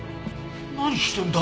何してるんだ！